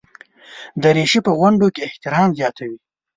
دریشي په غونډو کې احترام زیاتوي.